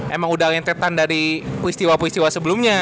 emang udah lentetan dari peristiwa peristiwa sebelumnya